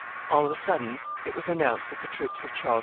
All on a sudden it was announced that the troops of Charles V.